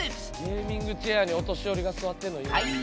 ゲーミングチェアにお年寄りが座ってるのいいな。